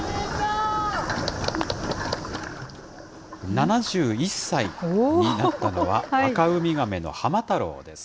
７１歳になったのは、アカウミガメの浜太郎です。